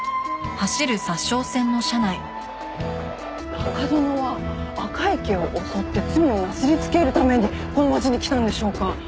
中園は赤池を襲って罪をなすりつけるためにこの町に来たんでしょうか？